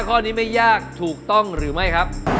ข้อนี้ไม่ยากถูกต้องหรือไม่ครับ